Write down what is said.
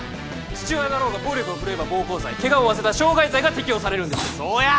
父親だろうが暴力を振るえば暴行罪ケガを負わせたら傷害罪が適用されるんですそうや！